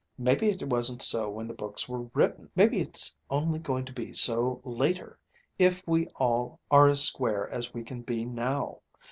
Maybe it wasn't so when the books were written, maybe it's only going to be so, later, if we all are as square as we can be now.